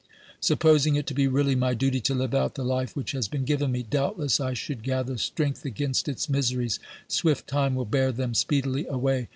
Supposing it to be really my duty to live out the life which has been given me, doubtless I should gather strength against its miseries ; swift time will bear them speedily away.